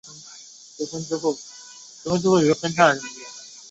西藏委陵菜为蔷薇科委陵菜属下的一个种。